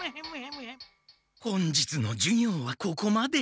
本日の授業はここまで。